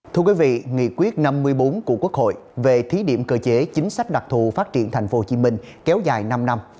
thưa quý vị nghị quyết năm mươi bốn của quốc hội về thí điểm cơ chế chính sách đặc thù phát triển tp hcm kéo dài năm năm